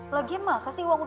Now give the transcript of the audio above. lagian masa sih uang udah kena